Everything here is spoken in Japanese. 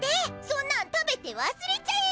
そんなん食べてわすれちゃえ！